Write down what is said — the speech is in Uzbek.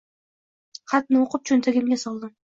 Xatni o‘qib cho‘ntagimga soldim.